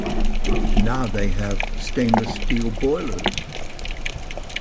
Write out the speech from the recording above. Now they have stainless steel boilers.